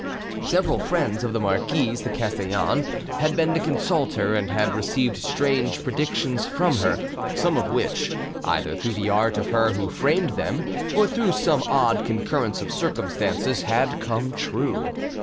Several friends of the Marquise de Castellane had been to consult her, and had received strange predictions from her, some of which, either through the art of her who framed them, or through some odd concurrence of circumstances, had come true.